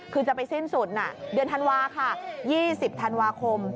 คือจะไปสิ้นสุดเดือนธันวาค่ะ๒๐ธันวาคม